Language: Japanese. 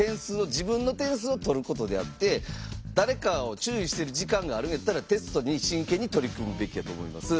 自分の点数をとることであって誰かを注意してる時間があるんやったらテストに真剣に取り組むべきやと思います。